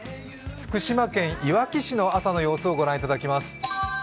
福島県いわき市の朝の様子をご覧いただきます。